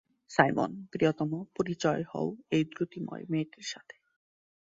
Simon, প্রিয়তম, পরিচয় হও সেই দ্যুতিময় মেয়েটার সাথে!